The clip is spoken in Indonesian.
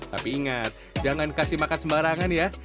tapi ingat jangan kasih makan sembarangan ya